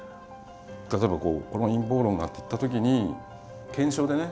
例えば「この陰謀論が」っていったときに検証でね